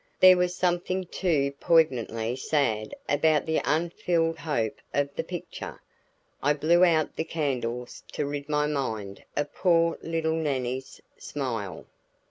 There was something too poignantly sad about the unfulfilled hope of the picture. I blew out the candles to rid my mind of poor little Nannie's smile.